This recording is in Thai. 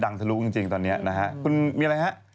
ดังทะลุกตอนนี้นะฮะคุณมีอะไรฮะ